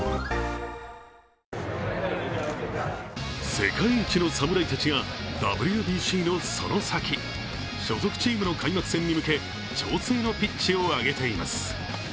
世界一の侍たちがＷＢＣのその先、所属チームの開幕戦に向け調整のピッチを上げています。